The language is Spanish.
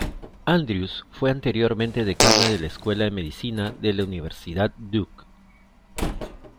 Andrews fue anteriormente decana de la Escuela de Medicina de la Universidad Duke.